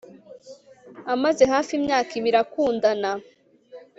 amaze hafi imyaka ibiri akundana